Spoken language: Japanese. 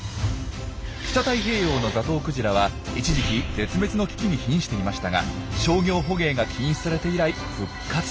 北太平洋のザトウクジラは一時期絶滅の危機に瀕していましたが商業捕鯨が禁止されて以来復活。